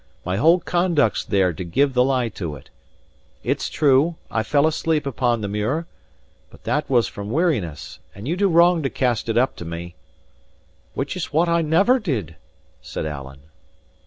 My whole conduct's there to give the lie to it. It's true, I fell asleep upon the muir; but that was from weariness, and you do wrong to cast it up to me " "Which is what I never did," said Alan.